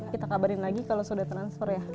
kita kabarin lagi kalau sudah transfer ya